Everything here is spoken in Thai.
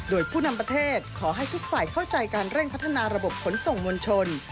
โดยผู้นำประเทศขอให้ทุกฝ่ายเข้าใจการเร่งพัฒนาระบบขนส่งมวลชน